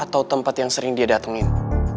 atau tempat yang sering dia datangin